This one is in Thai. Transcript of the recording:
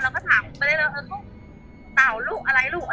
หลักตาหรือเต่าอะไรไม่รู้นะ